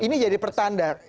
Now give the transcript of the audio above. ini jadi pertanda